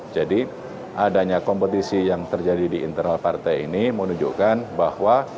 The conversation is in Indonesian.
jadi adanya kompetisi yang terjadi di internal partai ini menunjukkan bahwa